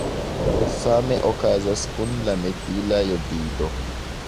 Same okazas kun la metila jodido.